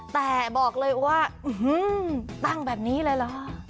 แต่บอกเลยว่าอื้อฮือตั้งแบบนี้เลยหรอ